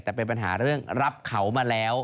แต่เป็นปัญหาเรื่องรับเขามาแล้ว